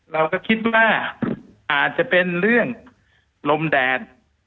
เราก็คิดว่าอาจจะเป็นเรื่องลมแดด